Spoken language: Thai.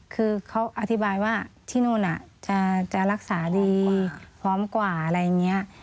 คือเขาอธิบายว่าที่โน้นอ่ะจะรักษาดีพร้อมกว่าอะไรเงี้ย